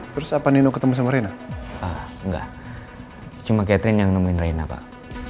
terus apa nino ketemu sama rina enggak cuma catherine yang nomorin rina pak